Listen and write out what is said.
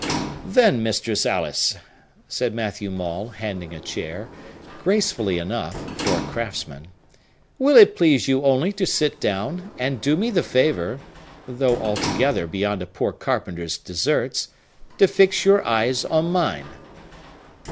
"Then, Mistress Alice," said Matthew Maule, handing a chair,—gracefully enough, for a craftsman, "will it please you only to sit down, and do me the favor (though altogether beyond a poor carpenter's deserts) to fix your eyes on mine!"